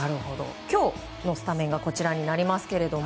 今日のスタメンがこちらになりますけれども。